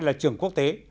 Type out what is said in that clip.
là trường quốc tế